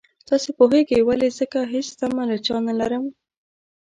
تاسو پوهېږئ ولې ځکه هېڅ تمه له چا نه لرم.